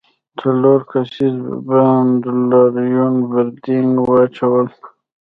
څلور کسیز بانډ لاریون پر دینګ واچوله.